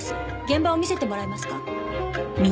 現場を見せてもらえますか？